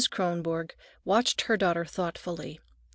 Kronborg watched her daughter thoughtfully.